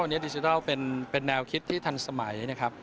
วันนี้ดิจิทัลเป็นแนวคิดที่ทันสมัยนะครับ